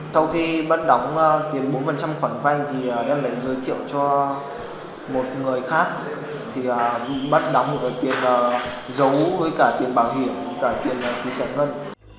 sau khi bắt đóng tiền bốn khoản vay thì em lại giới thiệu cho một người khác thì bắt đóng một cái tiền giấu với cả tiền bảo hiểm cả tiền phí sản ngân